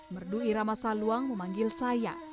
berdui ramasaluang memanggil saya